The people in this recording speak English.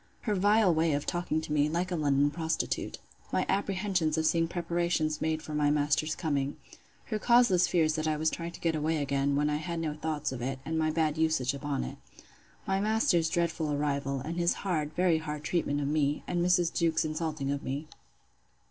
Her vile way of talking to me, like a London prostitute. My apprehensions of seeing preparations made for my master's coming. Her causeless fears that I was trying to get away again, when I had no thoughts of it; and my bad usage upon it. My master's dreadful arrival; and his hard, very hard treatment of me; and Mrs. Jewkes's insulting of me.